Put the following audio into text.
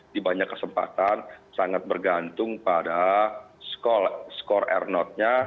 di banyak kesempatan sangat bergantung pada skor r notenya